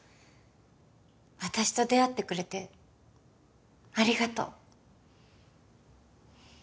私と出会ってくれてありがとう